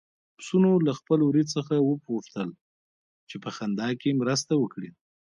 پسونو له خپل وري څخه وغوښتل چې په خندا کې مرسته وکړي.